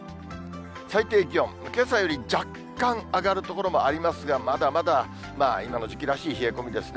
最低気温、けさより若干上がる所もありますが、まだまだ今の時期らしい冷え込みですね。